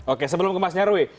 oke sebelum ke mas nyarwi